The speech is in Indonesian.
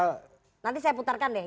nanti saya putarkan deh